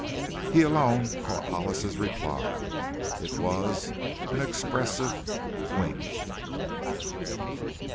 He alone caught Hollis's reply. It was an expressive wink.